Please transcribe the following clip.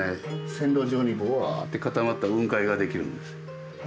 線路上にぶわって固まった雲海が出来るんですよ。